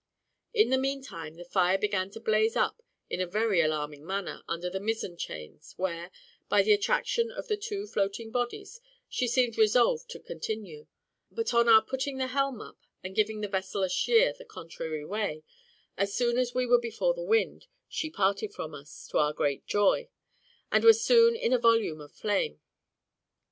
In the meantime the fire began to blaze up in a very alarming manner under the mizzen chains, where, by the attraction of the two floating bodies, she seemed resolved to continue; but on our putting the helm up, and giving the vessel a sheer the contrary way, as soon as we were before the wind, she parted from us, to our great joy, and was soon in a volume of flame.